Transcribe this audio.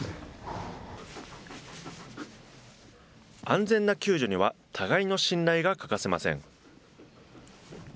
安全な救助には、互いの信頼が欠かせません。